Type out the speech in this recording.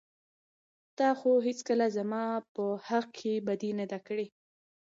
تا خو هېڅکله زما په حق کې بدي نه ده کړى.